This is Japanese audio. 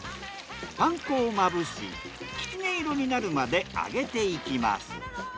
パン粉をまぶしきつね色になるまで揚げていきます。